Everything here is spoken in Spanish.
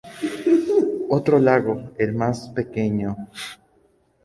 Otro lago, el más pequeño St.